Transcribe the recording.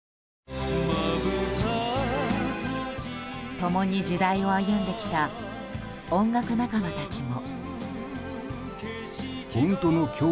共に時代を歩んできた音楽仲間たちも。